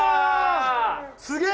すげえ！